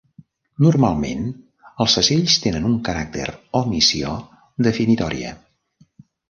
Normalment, els segells tenen un caràcter o missió definitòria.